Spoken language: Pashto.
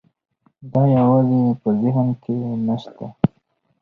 دا یوازې په ذهن کې نه شته.